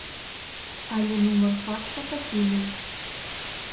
Але нумар факса пакінуў.